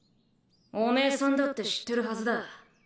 おめえさんだって知ってるはずだ。